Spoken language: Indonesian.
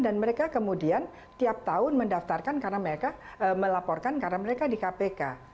dan mereka kemudian tiap tahun mendaftarkan karena mereka melaporkan karena mereka di kpk